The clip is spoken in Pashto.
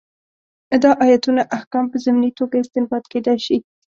دا ایتونه احکام په ضمني توګه استنباط کېدای شي.